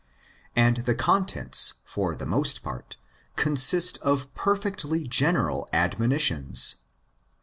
And the contents for the most part consist of perfectly general admonitions.